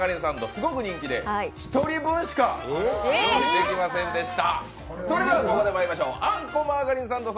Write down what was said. すごく人気で１人分しか用意できませんでした。